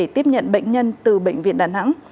tiếp nhận bệnh nhân từ bệnh viện đà nẵng